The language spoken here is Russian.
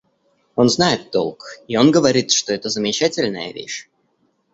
Он знает толк, и он говорит, что это замечательная вещь.